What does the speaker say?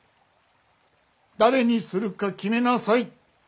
誰にするか決めなさい。